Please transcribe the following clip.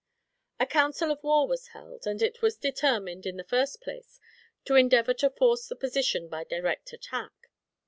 A council of war was held; and it was determined, in the first place, to endeavor to force the position by direct attack.